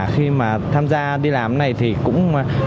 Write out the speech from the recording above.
khi mà tham gia đi làm này thì cũng